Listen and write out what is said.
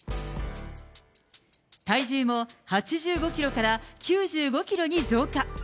体重も８５キロから９５キロに増加。